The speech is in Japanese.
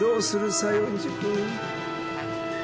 西園寺君。